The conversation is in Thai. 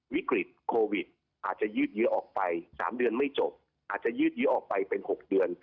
วิกฤตโควิดอาจจะยืดเยอะออกไป๓เดือนไม่จบอาจจะยืดเยอะออกไปเป็น๖เดือน